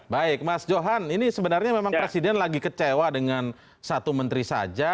baik mas johan ini sebenarnya memang presiden lagi kecewa dengan satu menteri saja